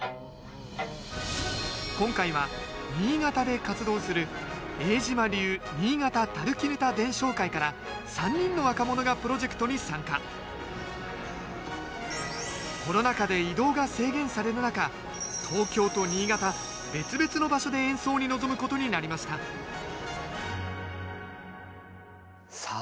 今回は新潟で活動する永島流新潟砧伝承会から３人の若者がプロジェクトに参加コロナ禍で移動が制限される中東京と新潟別々の場所で演奏に臨むことになりましたさあ